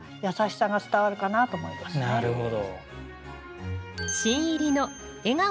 なるほど。